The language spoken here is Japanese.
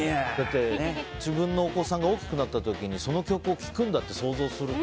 自分のお子さんが大きくなった時にその曲を聴くんだと想像すると。